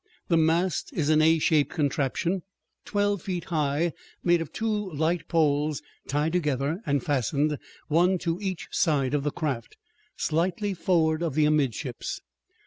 The mast is an A shaped contraption, twelve feet high, made of two light poles tied together and fastened, one to each side of the craft, slightly forward of amidships.